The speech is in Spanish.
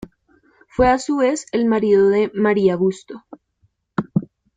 Fue a su vez el marido de María Busto.